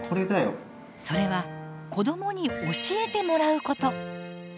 それは子どもに教えてもらうこと。